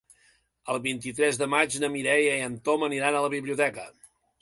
El vint-i-tres de maig na Mireia i en Tom aniran a la biblioteca.